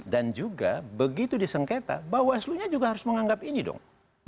dan juga begitu disengketa bawaslu nya juga harus menganggap ini dong